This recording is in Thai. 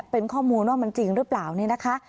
เป็นข้อมูลว่ามันจริงหรือเปล่าเนี่ยนะคะ